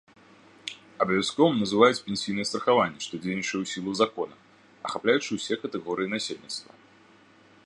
Абавязковым называюць пенсійнае страхаванне, што дзейнічае ў сілу закона, ахапляючы ўсе катэгорыі насельніцтва.